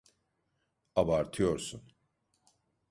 Abartıyorsun.